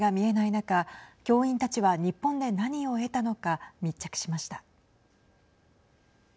中教員たちが日本で何を得たのか密着しました。